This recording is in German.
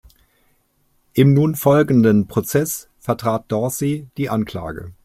Im nun folgenden Prozess vertrat Dorsey die Anklage.